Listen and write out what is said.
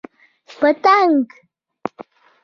🦋 پتنګ